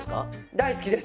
大好きです！